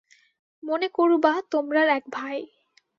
মনে করুবা তোমরার এক ভাই।